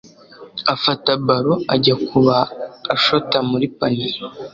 afata ballon ajya kuba ashota muri panier